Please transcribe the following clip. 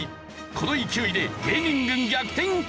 この勢いで芸人軍逆転か？